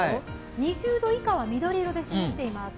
２０度以下は緑色で示しています。